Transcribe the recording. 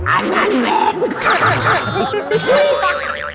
อันนั้นแหวนใคร